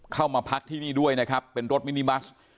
เข้ามาพักที่นี่ด้วยนะครับเป็นรถมินิบัส